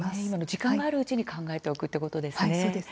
時間があるうちに考えておくということですね。